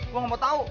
gua gak mau tau